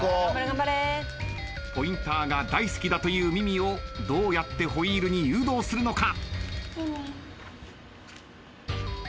ポインターが大好きだというミミをどうやってホイールに誘導するのか？